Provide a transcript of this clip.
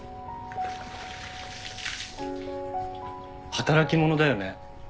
働き者だよね。